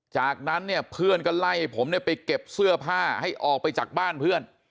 จากนั้นเนี่ยเพื่อนก็ไล่ผมเนี่ยไปเก็บเสื้อผ้าให้ออกไปจากบ้านเพื่อน